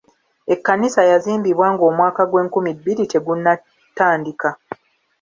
Ekkanisa yazimbibwa ng'omwaka gw'enkumi bbiri tegunatandika.